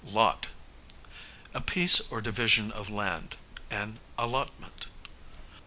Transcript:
Lot, a piece or division of land, an allotment.